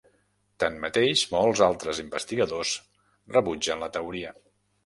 Tanmateix, molts altres investigadors rebutgen la teoria.